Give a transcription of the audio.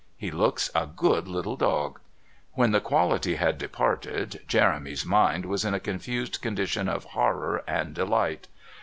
He looks a good little dog." When the "quality" had departed, Jeremy's mind was in a confused condition of horror and delight.